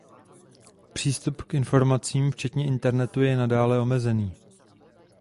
Přístup k informacím včetně internetu je nadále omezený.